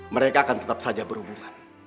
mereka akan tetap saja berhubungan